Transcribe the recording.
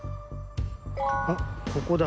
あっここだ。